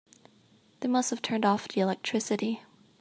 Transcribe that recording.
They must have turned off the electricity.